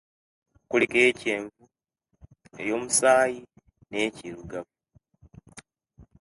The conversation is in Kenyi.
Kuliku eyakyenvu, emwufu neyakirugavu